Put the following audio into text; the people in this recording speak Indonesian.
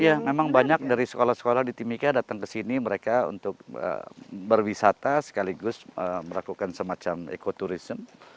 iya memang banyak dari sekolah sekolah di timika datang ke sini mereka untuk berwisata sekaligus melakukan semacam eco tourism